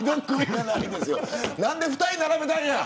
何で２人を並べたんや。